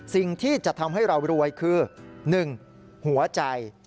สิ่งที่จะทำให้เรารวยคือ๑หัวใจ